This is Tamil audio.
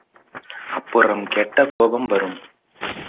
அப்புறம் கெட்ட கோபம் வரும்.